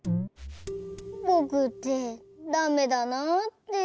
ぼくってダメだなあって。